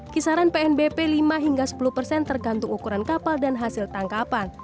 kisaran pnbp lima hingga sepuluh persen tergantung ukuran kapal dan hasil tangkapan